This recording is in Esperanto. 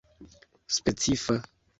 specifa